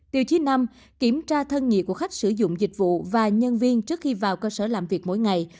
tiêu chí năm kiểm tra thân nhiệt của khách sử dụng dịch vụ và nhân viên trước khi vào cơ sở làm việc mỗi ngày